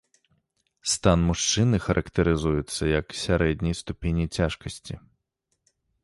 Стан мужчыны характарызуецца як сярэдняй ступені цяжкасці.